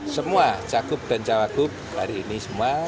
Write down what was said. semua jakub dan jawagub hari ini semua